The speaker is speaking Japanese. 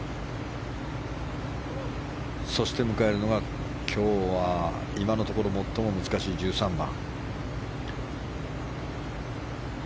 そして迎えるのが、今日今のところ最も難しい１３番。